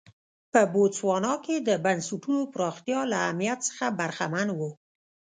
په بوتسوانا کې د بنسټونو پراختیا له اهمیت څخه برخمن و.